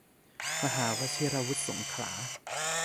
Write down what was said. มหาวชิราวุธสงขลา